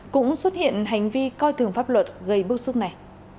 cũng xuất hiện hành vi coi thường pháp luật gây bức xúc này